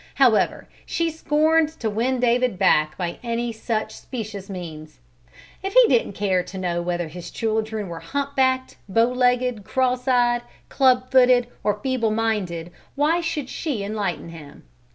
However, she scorned to win David back by any such specious means. If he didn't care to know whether his children were hump backed, bow legged, cross eyed, club footed, or feeble minded, why should she enlighten him?